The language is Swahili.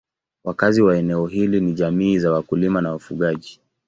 Wakazi wa eneo hili ni jamii za wakulima na wafugaji.